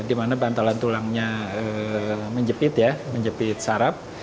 di mana bantalan tulangnya menjepit ya menjepit saraf